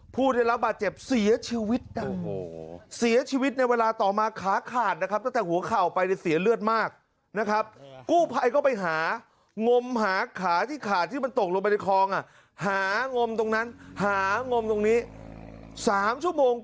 ผู้ได้รับบาดเจ็บเสียชีวิตดังโอ้โหเสียชีวิตในเวลาต่อมาขาขาดนะครับ